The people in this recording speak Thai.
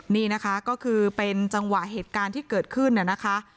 นี่นะคะก็คือเป็นจังหวะเหตุการณ์ที่เกิดขึ้นนะคะ